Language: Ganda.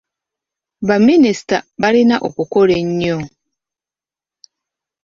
Baminisita balina okukola ennyo.